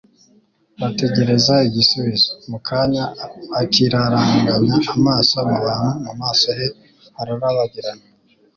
Bategereza igisubizo. Mu kanya akiraranganya amaso mu bantu, mu maso he hararabagirana,